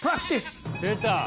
出た！